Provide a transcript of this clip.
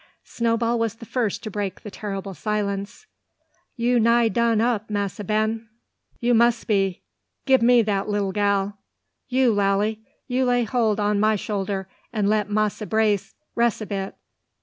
Snowball was the first to break the terrible silence. "You nigh done up, Massa Ben, you muss be! Gib me de lilly gal. You Lally! you lay hold on ma shoulder, and let Massa Brace ress a bit."